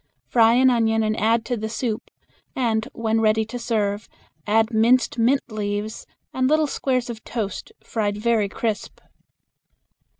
Fry an onion and add to the soup, and when ready to serve add minced mint leaves and little squares of toast, fried very crisp.